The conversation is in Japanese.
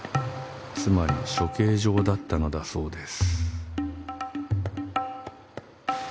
［つまり処刑場だったのだそうです］